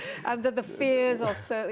karena banyak kebenaran